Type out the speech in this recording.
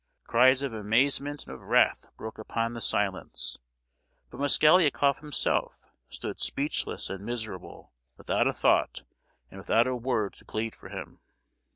Cries of amazement and of wrath broke upon the silence; but Mosgliakoff himself stood speechless and miserable, without a thought and without a word to plead for him!